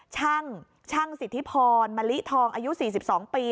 ช่างช่างสิทธิพรมะลิทองอายุ๔๒ปี